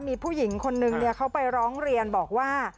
มีผู้หญิงคนนึงเขาไปร้องเรียนบอกว่า